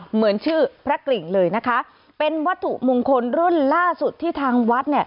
เหมือนชื่อพระกริ่งเลยนะคะเป็นวัตถุมงคลรุ่นล่าสุดที่ทางวัดเนี่ย